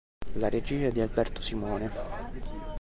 La regia è di Alberto Simone.